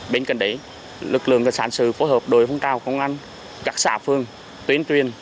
bên cạnh đấy lực lượng cân sản sự phối hợp đội phong trào công an các xã phương tuyến truyền